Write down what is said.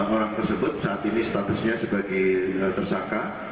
enam orang tersebut saat ini statusnya sebagai tersangka